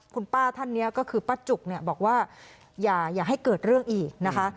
คุณป้าท่านนี้ก็คือป้าจุกเนี่ยบอกว่าอย่าให้เกิดเรื่องอีกนะคะ